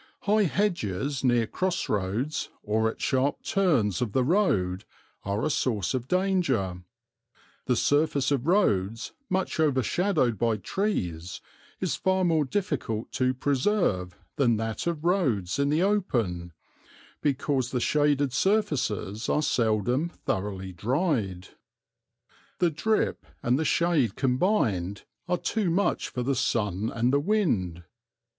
High hedges near cross roads or at sharp turns of the road are a source of danger; the surface of roads much overshadowed by trees is far more difficult to preserve than that of roads in the open, because the shaded surfaces are seldom thoroughly dried. The drip and the shade combined are too much for the sun and the wind.